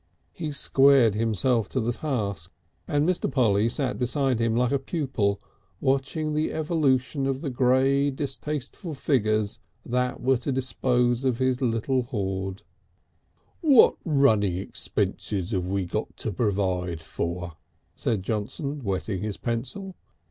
He squared himself to the task, and Mr. Polly sat beside him like a pupil, watching the evolution of the grey, distasteful figures that were to dispose of his little hoard. "What running expenses have we got to provide for?" said Johnson, wetting his pencil.